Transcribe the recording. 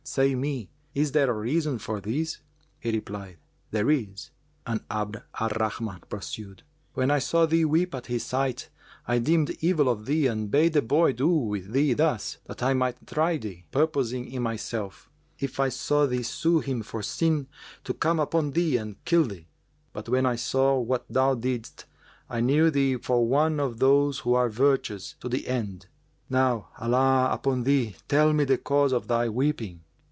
Say me, is there a reason for this?" He replied, "There is;" and Abd al Rahman pursued, "When I saw thee weep at his sight, I deemed evil of thee and bade the boy do with thee thus, that I might try thee, purposing in myself, if I saw thee sue him for sin, to come in upon thee and kill thee. But, when I saw what thou didst, I knew thee for one of those who are virtuous to the end. Now Allah upon thee, tell me the cause of thy weeping!"